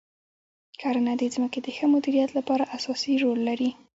کرنه د ځمکې د ښه مدیریت لپاره اساسي رول لري.